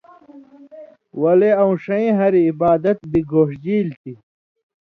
ولے اؤن٘ݜَیں ہاریۡ عِبادت بِگوݜژیل تھی۔